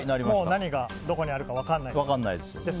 何がどこにあるか分からないですよね。